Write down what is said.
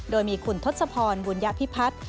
โดยมีคุณทศพรบุญญพิพัฒน์